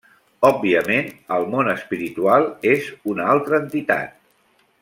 Òbviament, el món espiritual és una altra entitat.